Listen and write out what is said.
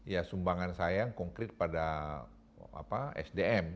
ya sumbangan saya yang konkret pada sdm